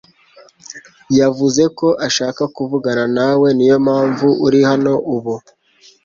yavuze ko ashaka kuvugana nawe. Niyompamvu uri hano ubu?